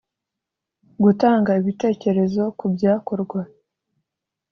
gutanga ibitekerezo ku byakorwa